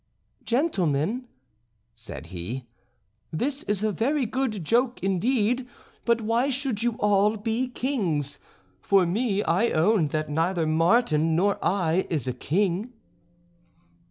"Gentlemen," said he, "this is a very good joke indeed, but why should you all be kings? For me I own that neither Martin nor I is a king."